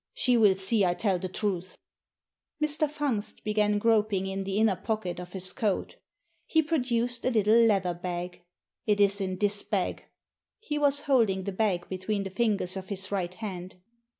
She will see I tell the truth." Mr. Fungst began groping in the inner pocket of his coat He produced a little leather bag. "It is in this bag." He was holding the bag between the fingers of his right hand.